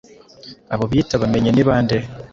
abo biyita abamenyi ni bande